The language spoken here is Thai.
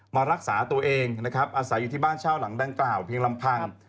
มารักษาตัวเองนะครับอาศัยอยู่ที่บ้านเช่าหลังดังกล่าวเพียงลำพัง